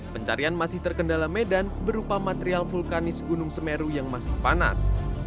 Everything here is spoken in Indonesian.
pencarian masih terkendala medan berupa material vulkanis gunung semeru yang masih panas